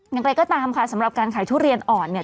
อย่างไรก็ตามค่ะสำหรับการขายทุเรียนอ่อนเนี่ย